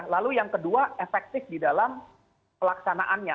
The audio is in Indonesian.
lalu yang kedua efektif di dalam pelaksanaannya